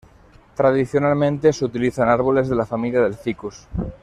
Tradicionalmente, se utilizan árboles de la familia del ficus.